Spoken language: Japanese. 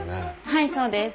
はいそうです。